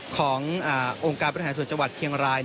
ขององค์การบริหารส่วนจังหวัดเชียงราย